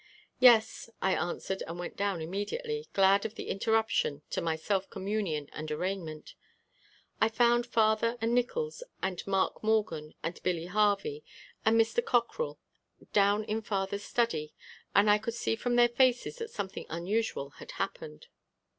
"Yes," I answered, and went down immediately, glad of the interruption to my self communion and arraignment. I found father and Nickols and Mark Morgan and Billy Harvey and Mr. Cockrell down in father's study and I could see from their faces that something unusual had happened.